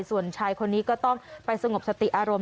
ส่วนชายคนนี้ก็ต้องไปสงบสติอารมณ์